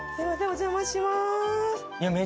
お邪魔します！